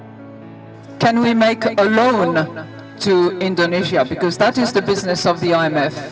bisa kita membuat pinjaman ke indonesia karena itu adalah bisnis imf